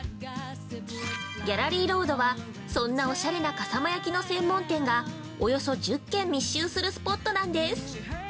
ギャラリーロードは、そんなおしゃれな笠間焼の専門店が、およそ１０軒密集するスポットなんです。